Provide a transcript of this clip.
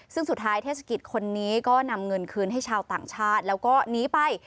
ซึ่งสุดท้ายเทศกิจคนนี้ก็นำเงินคืนให้ชาวต่างชาติแล้วก็หนีไป